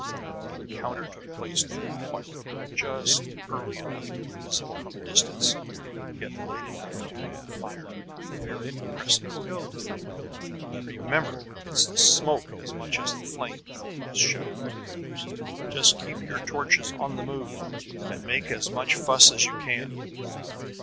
And the encounter took place during twilight, just early enough to be visible from a distance, yet late enough to make the fire very impressive. "Remember, it's the smoke as much as the flame," Deltos shouted to the others. "Just keep your torches on the move, and make as much fuss as you can!"